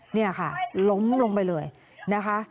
นี่ค่ะล้มลงไปเลยนะคะ